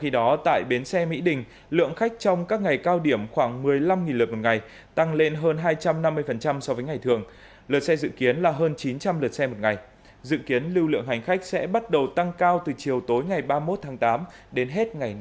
lượt xe dự kiến là bốn trăm linh lượt xe một ngày